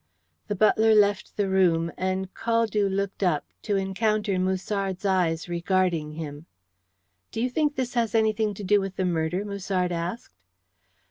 The butler left the room, and Caldew looked up, to encounter Musard's eyes regarding him. "Do you think this has anything to do with the murder?" Musard asked.